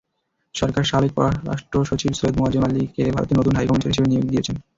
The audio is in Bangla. সরকার সাবেক পররাষ্ট্রসচিব সৈয়দ মোয়াজ্জেম আলীকে ভারতে নতুন হাইকমিশনার হিসেবে নিয়োগ দিয়েছে।